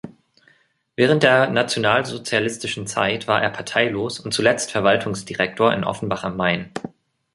Während der nationalsozialistischen Zeit war er parteilos und zuletzt Verwaltungsdirektor in Offenbach am Main.